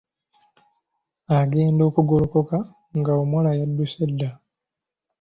Agenda okugolokoka, nga omuwala yaddusse dda!